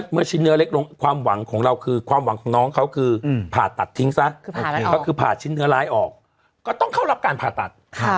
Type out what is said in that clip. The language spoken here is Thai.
เมื่อเช้าก็วางของน้องคือผ่าสิ้นแร้ออกก็ต้องเข้ารับการผ่าตัด